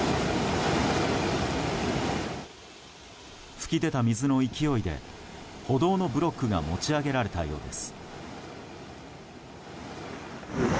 噴き出た水の勢いで歩道のブロックが持ち上げられたようです。